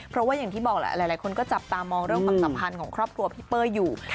เพราะว่าอย่างที่บอกแหละหลายคนก็จับตามองเรื่องความสัมพันธ์ของครอบครัวพี่เป้ยอยู่